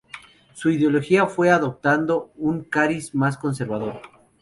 Su ideología fue adoptando un cariz más conservador.